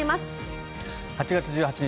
８月１８日